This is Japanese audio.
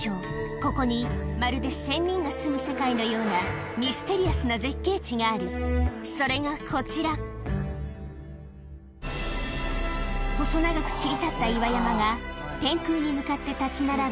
ここにまるで仙人が住む世界のようながあるそれがこちら細長く切り立った岩山が天空に向かって立ち並ぶ